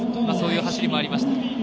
そういう走りもありました。